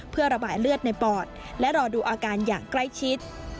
เพื่อระบายเลือดในปอดและรอดูอาการอย่างใกล้ชิด